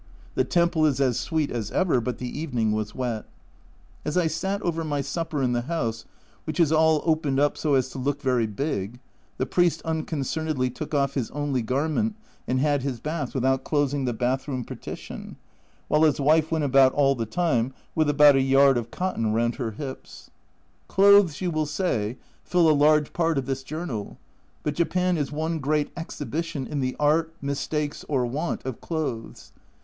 The temple is as sweet as ever, but the evening was wet. As I sat over my supper in the house, which is all opened up so as to look very big, the priest unconcernedly took off his only garment and had his bath without closing the bath room parti tion, while his wife went about all the time with about a yard of cotton round her hips. 206 A Journal from Japan Clothes, you will say, fill a large part of this journal, but Japan is one great exhibition in the art, mistakes, or want of clothes.